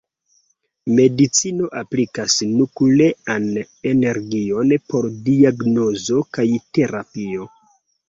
Medicino aplikas nuklean energion por diagnozo kaj terapio.